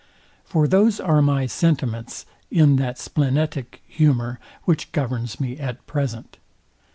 For those are my sentiments in that splenetic humour, which governs me at present.